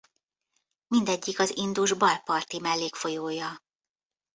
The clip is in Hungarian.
Mindegyik az Indus bal parti mellékfolyója.